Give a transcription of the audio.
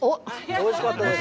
おいしかったです